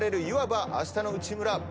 いわば『あしたの内村！！』